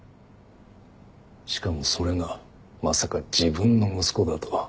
しかもそれがまさか自分の息子だとは。